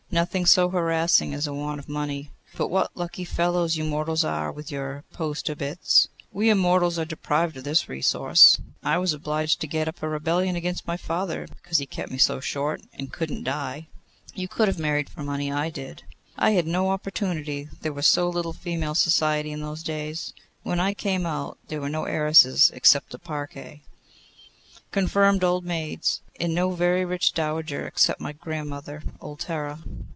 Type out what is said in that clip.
Nothing so harassing as a want of money! But what lucky fellows you mortals are with your post obits! We Immortals are deprived of this resource. I was obliged to get up a rebellion against my father, because he kept me so short, and could not die.' 'You could have married for money. I did.' 'I had no opportunity, there was so little female society in those days. When I came out, there were no heiresses except the Parcae, confirmed old maids; and no very rich dowager, except my grandmother, old Terra.